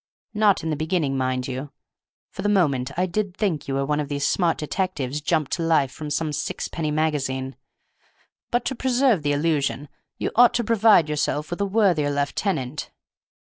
Not in the beginning, mind you! For the moment I did think you were one of these smart detectives jumped to life from some sixpenny magazine; but to preserve the illusion you ought to provide yourself with a worthier lieutenant.